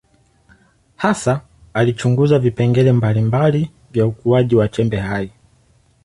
Hasa alichunguza vipengele mbalimbali vya ukuaji wa chembe hai.